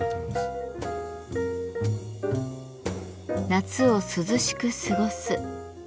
夏を涼しく過ごす。